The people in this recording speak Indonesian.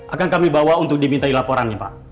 akan kami bawa untuk dimintai laporannya pak